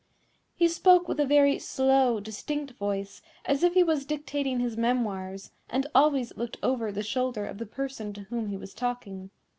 He spoke with a very slow, distinct voice, as if he was dictating his memoirs, and always looked over the shoulder of the person to whom he was talking.